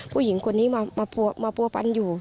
ผู้หญิงคนนี้มาผัวพันอยู่